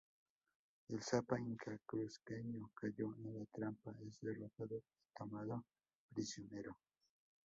El Sapa Inca cuzqueño cayó en la trampa, es derrotado y tomado prisionero.